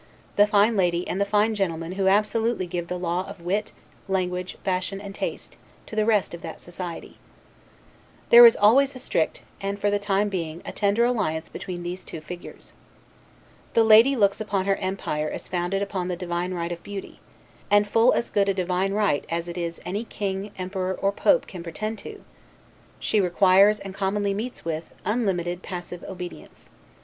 the fine lady and the fine gentleman who absolutely give the law of wit, language, fashion, and taste, to the rest of that society. There is always a strict, and often for the time being, a tender alliance between these two figures. The lady looks upon her empire as founded upon the divine right of beauty (and full as good a divine right it is as any king, emperor, or pope, can pretend to); she requires, and commonly meets with, unlimited passive obedience.